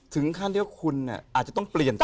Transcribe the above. ถึงขั้นที่ว่าคุณอาจจะต้องเปลี่ยนใจ